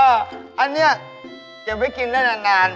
อันนี้เก็บไว้กินได้นาน